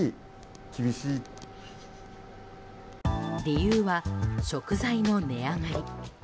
理由は食材の値上がり。